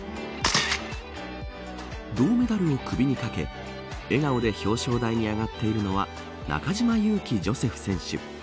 銅メダルを首にかけ笑顔で表彰台に上がっているのは中島佑気ジョセフ選手。